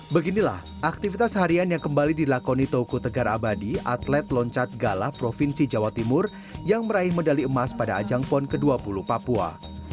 beginilah aktivitas harian yang kembali dilakoni toko tegar abadi atlet loncat galah provinsi jawa timur yang meraih medali emas pada ajang pon ke dua puluh papua